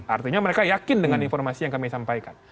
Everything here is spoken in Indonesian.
artinya mereka yakin dengan informasi yang kami sampaikan